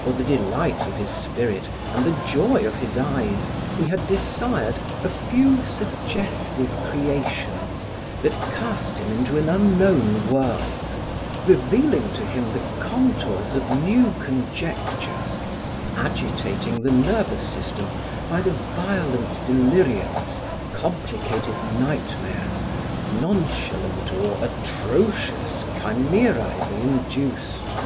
For the delight of his spirit and the joy of his eyes, he had desired a few suggestive creations that cast him into an unknown world, revealing to him the contours of new conjectures, agitating the nervous system by the violent deliriums, complicated nightmares, nonchalant or atrocious chimerae they induced.